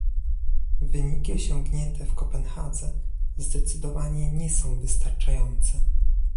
Wyniki osiągnięte w Kopenhadze zdecydowanie nie są wystarczające